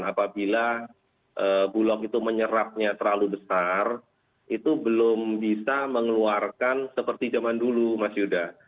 apabila bulog itu menyerapnya terlalu besar itu belum bisa mengeluarkan seperti zaman dulu mas yuda